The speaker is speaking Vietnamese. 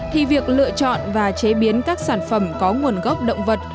thì việc lựa chọn và chế biến các sản phẩm có nguồn gốc động vật